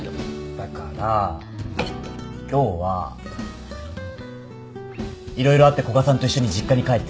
だから今日は色々あって古賀さんと一緒に実家に帰ってる。